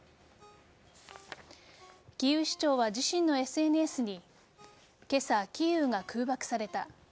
キーウ市長は自身のＳＮＳに今朝、キーウが空爆された。